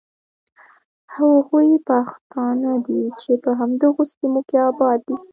هغوی پښتانه دي چې په همدغو سیمو کې آباد دي.